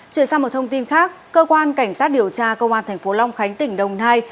chuyển sang một thông tin khác cơ quan cảnh sát điều tra công an thành phố long khánh tỉnh đồng nai